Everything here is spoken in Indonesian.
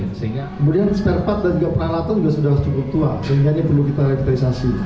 kemudian spare part dan juga peralatan sudah cukup tua sehingga perlu kita elektrisasi